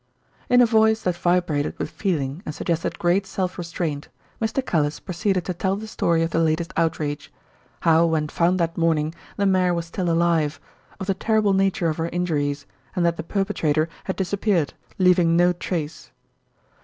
In a voice that vibrated with feeling and suggested great self restraint, Mr. Callice proceeded to tell the story of the latest outrage. How when found that morning the mare was still alive, of the terrible nature of her injuries, and that the perpetrator had disappeared, leaving no trace.